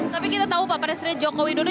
tapi kita tahu pak presiden jokowi dulu